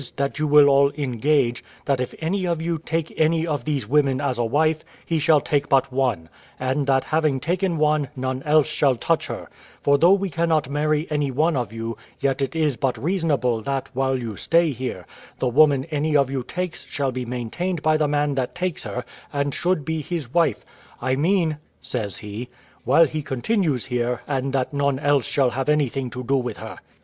that you will all engage, that if any of you take any of these women as a wife, he shall take but one; and that having taken one, none else shall touch her; for though we cannot marry any one of you, yet it is but reasonable that, while you stay here, the woman any of you takes shall be maintained by the man that takes her, and should be his wife I mean," says he, "while he continues here, and that none else shall have anything to do with her."